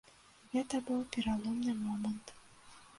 Гэта быў пераломны момант.